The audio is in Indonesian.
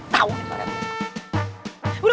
tau nih pak rete